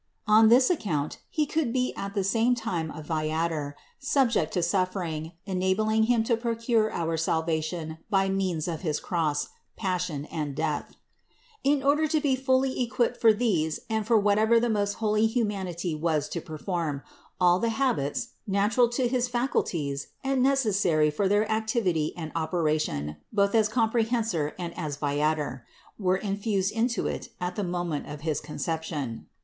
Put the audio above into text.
On this account He could be at the same time a viator, subject to suffering, enabling Him to procure our salvation by means of his Cross, Passion and Death. 146. In order to be fully equipped for these and for whatever the most holy humanity was to perform, all the habits, natural to his faculties and necessary for their activity and operation both as Comprehensor and as Viator, were infused into it at the moment of his con 118 CITY OF GOD ception.